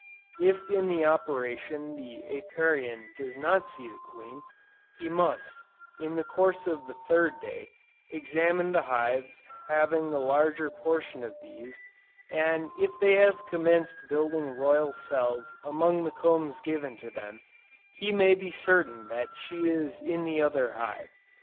If in the operation the Apiarian does not see the queen, he must, in the course of the third day, examine the hive having the larger portion of bees, and if they have commenced building royal cells among the combs given to them, he may be certain that she is in the other hive.